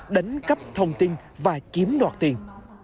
đánh cấp thông tin và kiếm đọc tiền